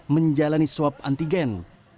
menjalani swab antigen